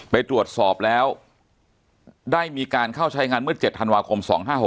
ไปตรวจสอบแล้วได้มีการเข้าใช้งานเมื่อ๗ธันวาคม๒๕๖๖